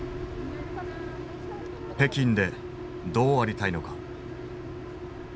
北京でどうありたいのか。